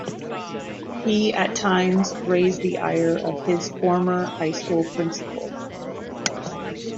He at times raised the ire of his former high school principal.